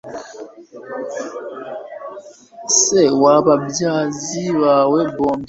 Se w'ababyazi bawe bombi.